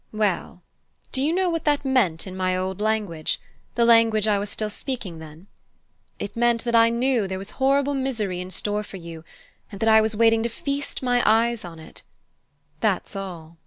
Well, do you know what that meant in my old language the language I was still speaking then? It meant that I knew there was horrible misery in store for you, and that I was waiting to feast my eyes on it: that's all!"